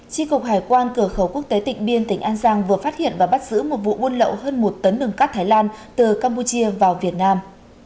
tri cục hải quan cửa khẩu quốc tế tịnh biên tỉnh an giang vừa phát hiện và bắt giữ một vụ buôn lậu hơn một tấn đường cát thái lan từ campuchia vào việt nam